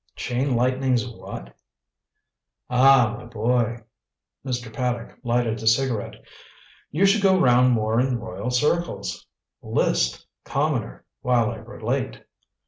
"Chain Lightning's what?" "Ah, my boy " Mr. Paddock lighted a cigarette. "You should go round more in royal circles. List, commoner, while I relate.